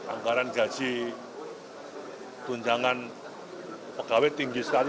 anggaran gaji tunjangan pegawai tinggi sekali